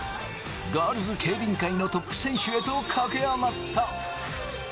ガールズケイリン界のトップ選手へと駆け上がった。